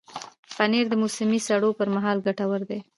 پنېر د موسمي سړو پر مهال ګټور دی.